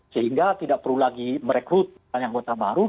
sehingga tidak perlu lagi merekrut anggota baru